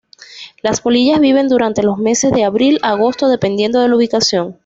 Las polillas viven durante los meses de abril a agosto dependiendo de la ubicación.